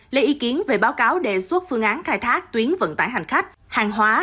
lấy ý kiến về báo cáo đề xuất phương án khai thác tuyến vận tải hành khách hàng hóa